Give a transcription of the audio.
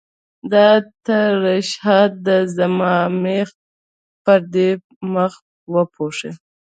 دا ترشحات د صماخ پردې مخ وپوښي.